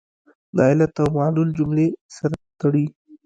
د علت او معلول جملې سره تړي.